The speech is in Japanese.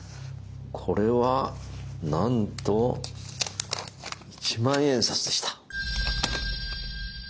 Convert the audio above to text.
これはなんと一万円札でした。